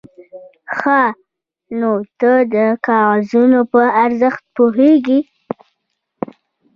_ښه، نو ته د کاغذونو په ارزښت پوهېږې؟